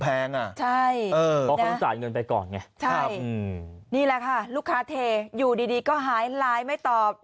เพราะเขาต้องจ่ายเงินไปก่อนไงใช่นี่แหละค่ะลูกค้าเทอยู่ดีก็หายไลน์ไม่ตอบ